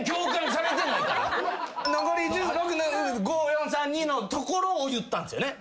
残り５４３２のところを言ったんすよね。